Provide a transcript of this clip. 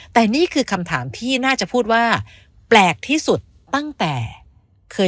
แต่นี่คือคำถามที่น่าจะพูดว่าแปลกที่สุดตั้งแต่เคย